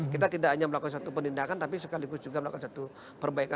kita tidak hanya melakukan satu penindakan tapi sekaligus juga melakukan satu perbaikan